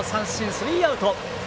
スリーアウト。